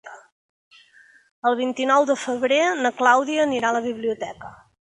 El vint-i-nou de febrer na Clàudia anirà a la biblioteca.